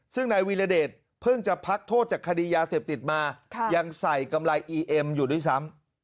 ซึ่งนายวีรเดชเพิ่งจะพักโทษจากคดียาเสพติดมายังใส่กำไรอีเอ็มอยู่ด้วยซ้ำ